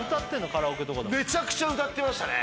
カラオケとかでめちゃくちゃ歌ってましたね